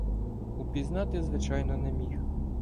Упізнати, звичайно, не міг.